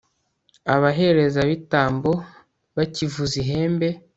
abaherezabitambo bakivuza ihembe